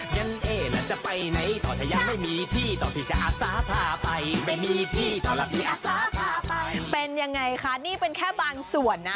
เป็นยังไงคะนี่เป็นแค่บางส่วนนะ